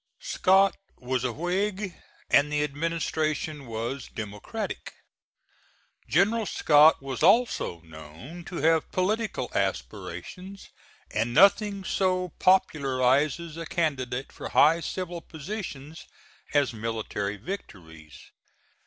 Scott was a Whig and the administration was democratic. General Scott was also known to have political aspirations, and nothing so popularizes a candidate for high civil positions as military victories.